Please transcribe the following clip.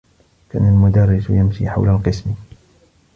كان المدرّس يمشي حول القسم.